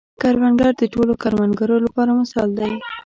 کروندګر د ټولو کروندګرو لپاره مثال دی